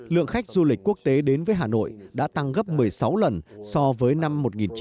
lượng khách du lịch quốc tế đến với hà nội đã tăng gấp một mươi sáu lần so với năm một nghìn chín trăm chín mươi